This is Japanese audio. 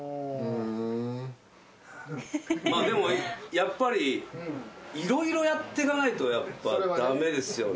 まあでもやっぱり色々やってかないとやっぱ駄目ですよね。